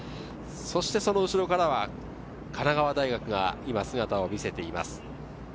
後ろからは神奈川大学が姿を見せています。